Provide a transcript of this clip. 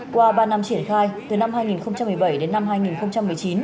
qua ba năm triển khai từ năm hai nghìn một mươi bảy đến năm hai nghìn một mươi chín